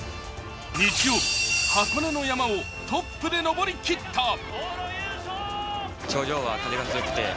日曜、箱根の山をトップで登り切った。